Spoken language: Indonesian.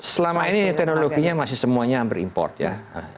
selama ini teknologinya masih semuanya hampir import ya